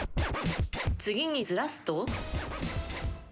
次にずらすと？